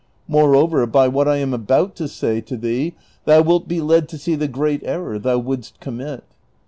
JNIoreover by what I am about to say to thee thou wilt be led to see the great error thou vvouldst commit.